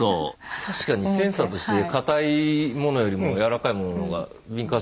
確かにセンサーとして硬いものよりもやわらかいものの方が敏感そうですね。